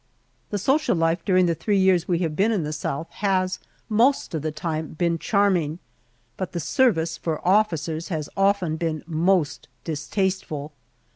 The social life during the three years we have been in the South has most of the time been charming, but the service for officers has often been most distasteful.